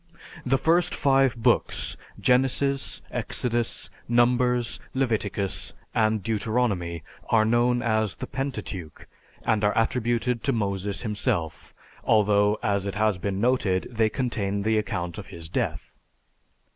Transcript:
The first five books, Genesis, Exodus, Numbers, Leviticus, and Deuteronomy, are known as the Pentateuch, and are attributed to Moses himself; although, as has been noted, they contain the account of his death.